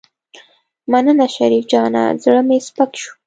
مننه شريف جانه زړه مې سپک شو.